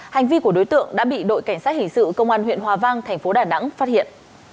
hành vi của đối tượng đã bị đội cảnh sát hình sự công an huyện hòa vang thành phố đà nẵng phát hiện